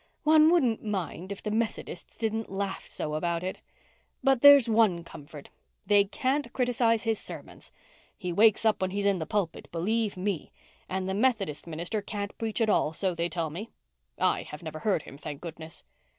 One wouldn't mind if the Methodists didn't laugh so about it. But there's one comfort—they can't criticize his sermons. He wakes up when he's in the pulpit, believe me. And the Methodist minister can't preach at all—so they tell me. I have never heard him, thank goodness."